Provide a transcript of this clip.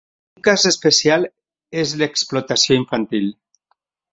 Un cas especial és l'Explotació infantil.